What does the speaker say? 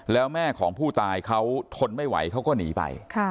แล้วแม่ของผู้ตายเขาทนไม่ไหวเขาก็หนีไป